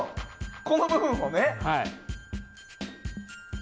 この部分をね。